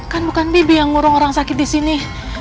kan bukan bibi yang ngurung orang sakit disini